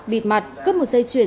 bịt mặt cướp một dây chuyên